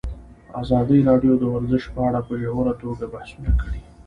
ازادي راډیو د ورزش په اړه په ژوره توګه بحثونه کړي.